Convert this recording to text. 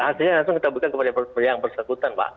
hasilnya langsung kita berikan kepada yang bersangkutan pak